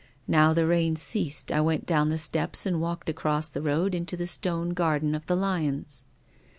Now the rain ceased, I went down the steps and walked across the road into the stone garden of the lions.